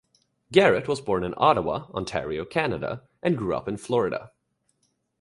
Garrett was born in Ottawa, Ontario, Canada, and grew up in Florida.